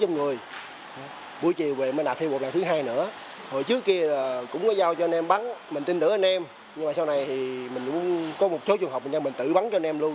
nhưng sau này mình cũng có một số trường hợp mình tự bắn cho anh em luôn